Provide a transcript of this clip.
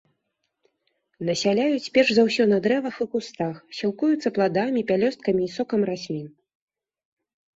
Насяляюць перш за ўсе на дрэвах і кустах, сілкуюцца пладамі, пялёсткамі і сокам раслін.